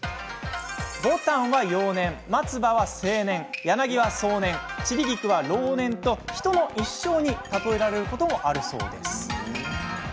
牡丹は幼年、松葉は青年柳は壮年、散り菊は老年と人の一生に例えられることもあるそうです。